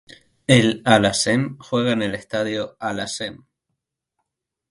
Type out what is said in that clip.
El Al-Hazm juega en el Estadio Al Hazm.